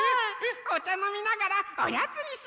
おちゃのみながらおやつにしよう！